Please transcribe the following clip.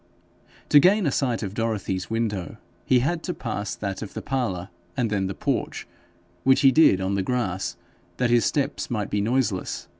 To gain a sight of Dorothy's window he had to pass that of the parlour, and then the porch, which he did on the grass, that his steps might be noiseless.